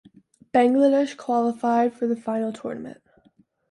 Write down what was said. Bangladesh qualified for the final tournament.